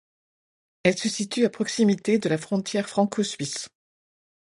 Elle se situe à proximité de la frontière franco-suisse.